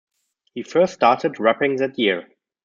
He first started rapping that year.